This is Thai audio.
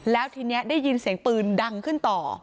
แล้วทีนี้ได้ยินเสียงปืนดังขึ้นต่อ